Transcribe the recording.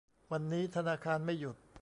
วันนี้ธนาคารไม่หยุด